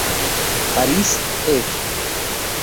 Paris, Ed.